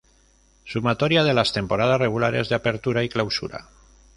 Sumatoria de las Temporadas Regulares de Apertura y Clausura